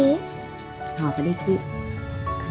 gak apa apa deki